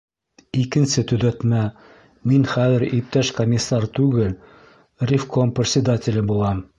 — Икенсе төҙәтмә: мин хәҙер иптәш комиссар түгел, ревком председателе булам.